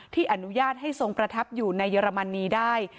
อนุญาตให้ทรงประทับอยู่ในเรรมนีได้